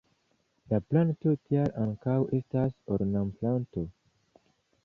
La planto tial ankaŭ estas ornamplanto.